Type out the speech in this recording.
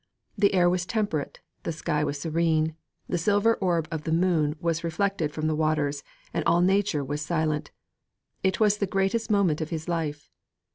The air was temperate, the sky was serene, the silver orb of the moon was reflected from the waters, and all nature was silent.' It was the greatest moment of his life.